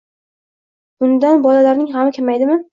Bundan bolarning g'ami kamaydimi?